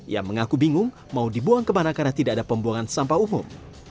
ia mengaku bingung mau dibuang kemana karena tidak ada pembuangan sampah umum